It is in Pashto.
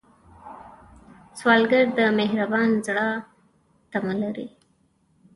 سوالګر د مهربان زړه تمه لري